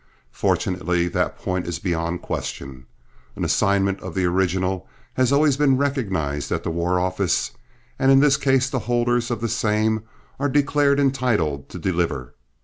Fortunately that point is beyond question; an assignment of the original has always been recognized at the War Office, and in this case the holders of the same are declared entitled to deliver.